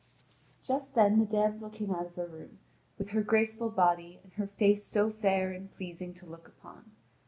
Just then the damsel came out of a room, with her graceful body and her face so fair and pleasing to look upon.